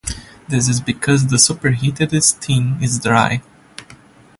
This is because the superheated steam is dry.